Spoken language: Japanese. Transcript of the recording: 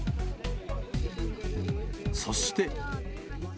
そして。